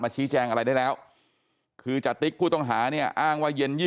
ชี้แจงอะไรได้แล้วคือจติ๊กผู้ต้องหาเนี่ยอ้างว่าเย็น๒๐